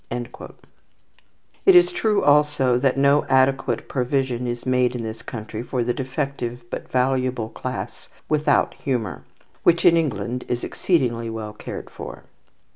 It is true also that no adequate provision is made in this country for the defective but valuable class without humour, which in England is exceedingly well cared for.